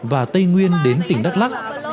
và tây nguyên đến tỉnh đắk lắc